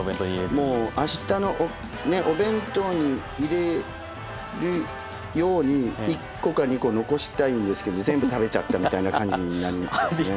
もうあしたのお弁当に入れるように１個か２個残したいんですけど全部食べちゃったみたいな感じになりますね。